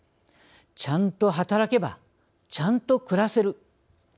ちゃんと働けばちゃんと暮らせる。